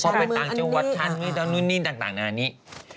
พอไปต่างจังหวัดทั้งนี้ต่างอันนี้